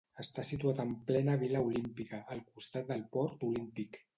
Està situat en plena Vila Olímpica, al costat del Port Olímpic.